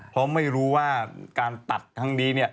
เพราะไม่รู้ว่าการตัดทั้งนี้